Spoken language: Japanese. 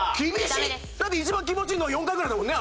だって一番気持ちいいの４回ぐらいだもんね